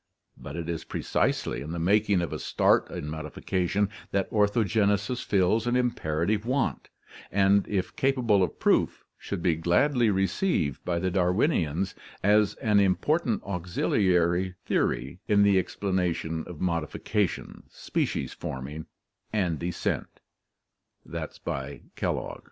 But it is precisely in the making of a start in modification that orthogenesis fills an imperative want, and if capable of proof, should be gladly received by the Darwinians as an important auxiliary theory in the explanation of modification, species forming, and descent (Kellogg).